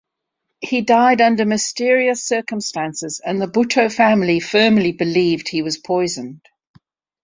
He died under mysterious circumstances, and the Bhutto family firmly believed he was poisoned.